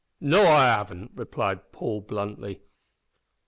"No, I haven't," replied Paul, bluntly.